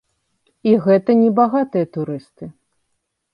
І гэта небагатыя турысты.